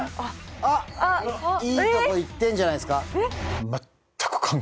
あっいいとこいってんじゃないですか？